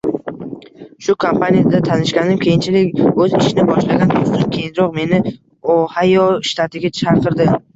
Shu kompanida tanishganim, keyinchalik oʻz ishini boshlagan doʻstim keyinroq meni Ohayo shtatiga chaqirdi.